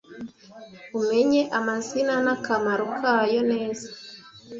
umenye amazina n akamaro kayo neza